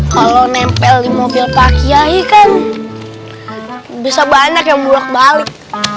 kalau nempel di mobil pak yahyikan bisa banyak yang buang balik